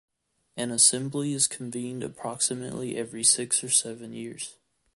An assembly is convened approximately every six or seven years.